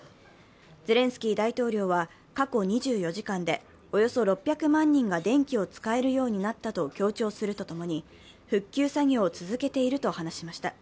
ゼレンスキー大統領は、過去２４時間でおよそ６００万人が電気を使えるようになったと強調すると共に、復旧作業を続けていると話しました。